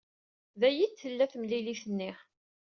Dayi i d-tella temlilit-nni.